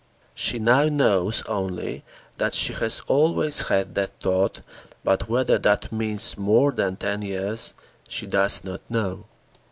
She now knows only that she has always had that thought, but whether that means more than ten years, she does not know.